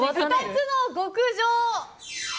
２つの“極上”。